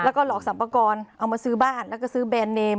แล้วก็หลอกสรรพากรเอามาซื้อบ้านแล้วก็ซื้อแบรนด์เนม